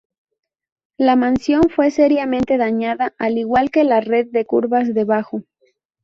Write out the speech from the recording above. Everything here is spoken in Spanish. La mansión fue seriamente dañada, al igual que la red de cuevas debajo.